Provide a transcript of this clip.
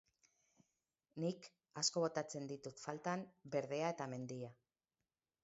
Nik asko botatzen ditut faltan berdea eta mendia.